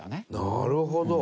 なるほど。